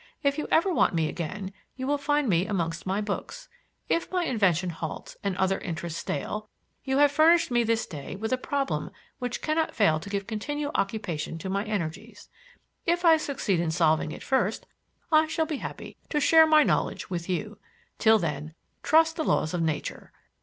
If you ever want me again, you will find me amongst my books. If my invention halts and other interests stale, you have furnished me this day with a problem which cannot fail to give continual occupation to my energies. If I succeed in solving it first, I shall be happy to share my knowledge with you. Till then, trust the laws of nature.